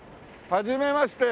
はじめまして。